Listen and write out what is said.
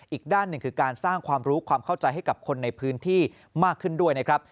อีกด้านหนึ่งคือการสร้างความรู้ความเข้าใจให้กับคนในพื้นที่มากขึ้นด้วยนะครับ